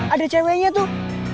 ada ceweknya tuh